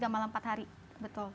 tiga malam empat hari betul